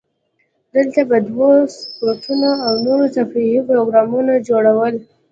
دلته به دوی سپورتونه او نور تفریحي پروګرامونه جوړول.